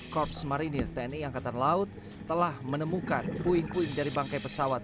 korps marinir tni angkatan laut telah menemukan puing puing dari bangkai pesawat